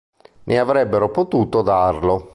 Né avrebbero potuto darlo.